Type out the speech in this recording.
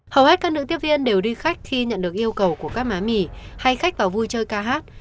hầu hết các nữ tiếp viên đều đi khách khi nhận được yêu cầu của các má mì hay khách vào vui chơi ca hát